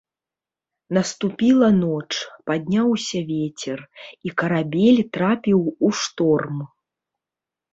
Наступіла ноч, падняўся вецер, і карабель трапіў у шторм.